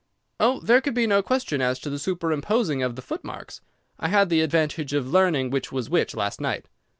"Oh, there could be no question as to the superimposing of the footmarks. I had the advantage of learning which was which last night.